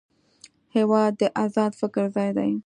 هېواد د ازاد فکر ځای دی.